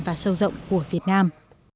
và sâu rộng của việt nam